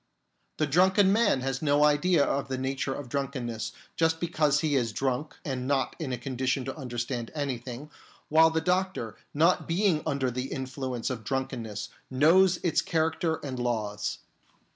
The drunken man has no idea of the nature of drunken ness, just because he is drunk and not in a con dition to understand anything, while the doctor, not being under the influence of drunkenness, knows its character and laws.